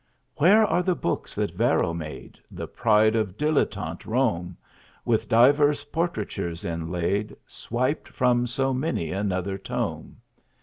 Where are the books that Varro made The pride of dilettante Rome With divers portraitures inlaid Swiped from so many another tome?